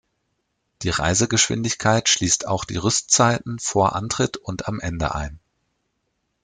Die Reisegeschwindigkeit schließt auch die Rüstzeiten vor Antritt und am Ende ein.